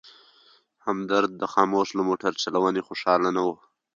همدرد د خاموش له موټر چلونې خوشحاله نه و.